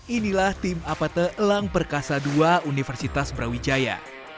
inilah tim apate elang perkasa ii universitas brawijaya